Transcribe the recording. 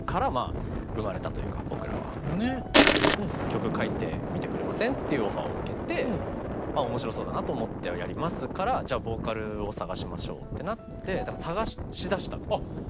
「曲書いてみてくれません？」っていうオファーを受けて面白そうだなと思ってやりますからじゃあボーカルを探しましょうってなって探しだしたってことですね。